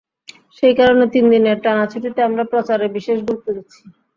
সেই কারণে তিন দিনের টানা ছুটিতে আমরা প্রচারে বিশেষ গুরুত্ব দিচ্ছি।